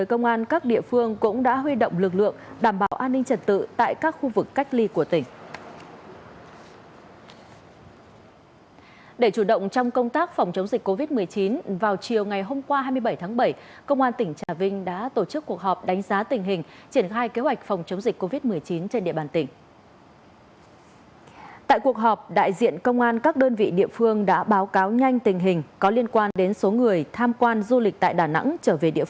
công an các phường xã tập trung tối đa lực lượng đảm bảo an ninh trật tự trên địa bàn xử lý nghiêm các hành vi phạm liên quan đến dịch bệnh covid một mươi chín